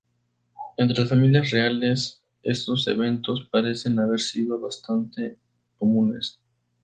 Entre las familias reales, estos eventos parecen haber sido bastante comunes.